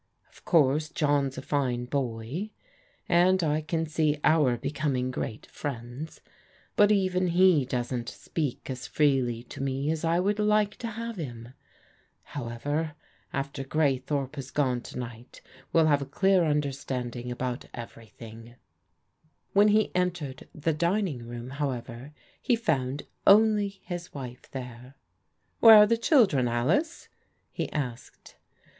Of course John's a fine boy, and I can see our becoming great friends, but even he doesn't ^peak as freely to me as I would like to have him. How ever, after Graythorpe has gone to night, we'll have a dear understanding about everything." When he entered the dining room, however, he found only his wife there. "Where are the children, Alice?" he asked.